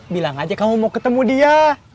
bilang aja kamu mau ketemu dia